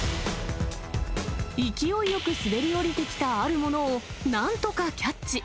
勢いよく滑り降りてきたあるものを、なんとかキャッチ。